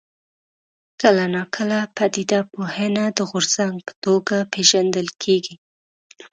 کله ناکله پدیده پوهنه د غورځنګ په توګه پېژندل کېږي.